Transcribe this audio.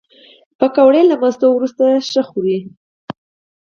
پکورې له مستو وروسته ښه خوري